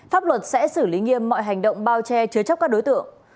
pháp luật sẽ xử lý nghiêm mọi hành động bao che chứa chấp các đối tượng